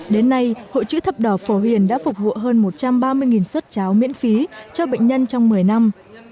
đến nay hội chữ thập đỏ phổ huyền đã phục vụ hơn một trăm ba mươi suất cháo miễn phí cho bệnh nhân trong một mươi năm